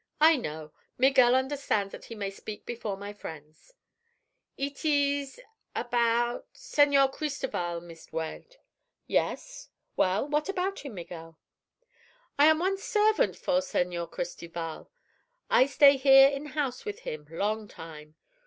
"I know. Miguel understands that he may speak before my friends." "It ees—about—Señor Cristoval, Meest Weld." "Yes? Well, what about him, Miguel?" "I am once servant for Señor Cristoval. I stay here in house with him, long time.